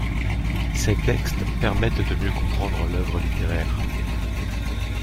Ces textes permettent de mieux comprendre l’œuvre littéraire.